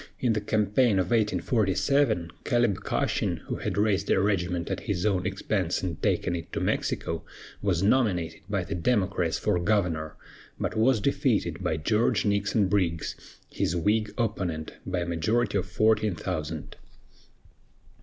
In the campaign of 1847, Caleb Cushing, who had raised a regiment at his own expense and taken it to Mexico, was nominated by the Democrats for governor, but was defeated by George Nixon Briggs, his Whig opponent, by a majority of fourteen thousand.